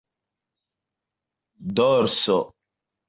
dorso